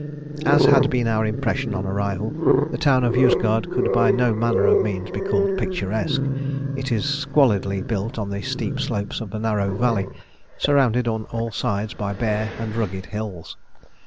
As had been our impression on arrival, the town of Yozgad could by no manner of means be called picturesque. It is squalidly built on the steep slopes of a narrow valley, surrounded on all sides by bare and rugged hills.